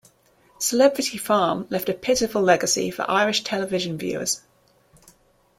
"Celebrity Farm" left a pitiful legacy for Irish television viewers.